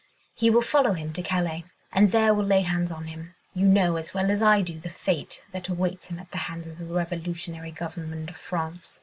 He will follow him to Calais, and there will lay hands on him. You know as well as I do the fate that awaits him at the hands of the Revolutionary Government of France.